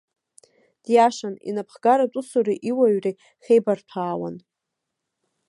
Диашан, инапхгаратә усуреи иуаҩреи хеибарҭәаауан.